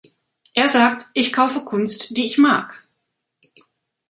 Er sagt: „Ich kaufe Kunst, die ich mag.